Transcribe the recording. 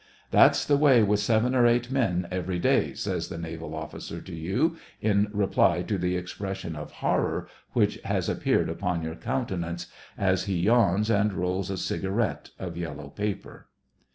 *' That's the way with seven or eight men every day," says the naval officer to you, in reply to the expression of horror which has appeared upon your countenance, as he yawns and rolls a cigar ette of yellow paper.